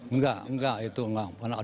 enggak enggak itu enggak